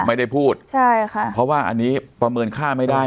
ไม่ได้พูดใช่ค่ะเพราะว่าอันนี้ประเมินค่าไม่ได้